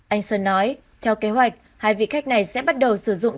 anh sơn nói theo kế hoạch hai vị khách này sẽ bắt đầu sử dụng